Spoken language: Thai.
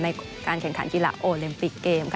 ในการแข่งขันกีฬาโอลิมปิกเกม